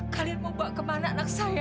kalimau bawa kemana anak saya